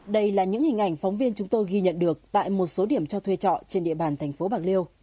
đây là những hình ảnh phóng viên chúng tôi ghi nhận được tại một số điểm cho thuê trọ trên địa bàn thành phố bạc liêu